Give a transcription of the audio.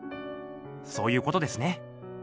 そういうことですね。